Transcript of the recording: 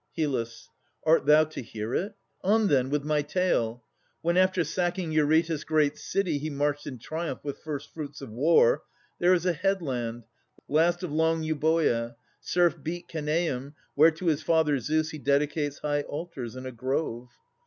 HYL. Art thou to hear it? On, then, with my tale! When after sacking Eurytus' great city He marched in triumph with first fruits of war, There is a headland, last of long Euboea, Surf beat Cenaeum, where to his father Zeus He dedicates high altars and a grove.